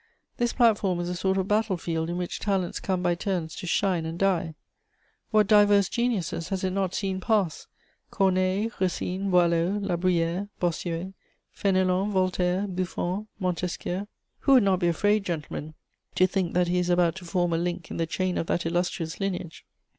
This platform is a sort of battle field in which talents come by turns to shine and die. What diverse geniuses has it not seen pass! Corneille, Racine, Boileau, La Bruyère, Bossuet, Fénelon, Voltaire, Buffon, Montesquieu.... Who would not be afraid, gentlemen, to think that he is about to form a link in the chain of that illustrious lineage?